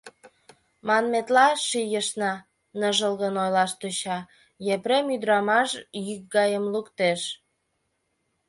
— Манметла, шийына, — ныжылгын ойлаш тӧча Епрем, ӱдырамаш йӱк гайым луктеш.